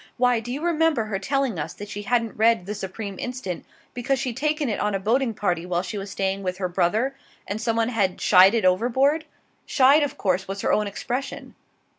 "Why, do you remember her telling us that she hadn't read 'The Supreme Instant' because she'd taken it on a boating party while she was staying with her brother, and some one had 'shied' it overboard 'shied' of course was her own expression."